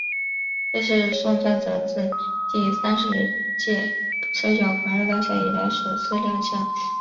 这是送葬者自第三十届摔角狂热大赛以来首次亮相。